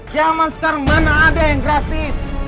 zaman sekarang mana ada yang gratis